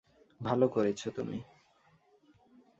ভালো করেছো তুমি।